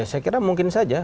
saya kira mungkin saja